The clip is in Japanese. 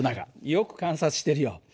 よく観察してるよ。